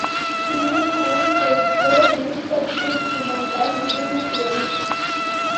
திருமணம் பெற்றோர் விருப்பத்திற்கிணங்க முடிவு பெறும்.